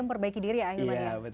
memperbaiki diri ya ahilman ya